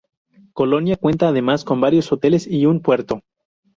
Colonia cuenta además con varios hoteles y un puerto.